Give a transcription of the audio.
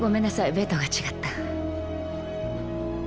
ベッドが違った。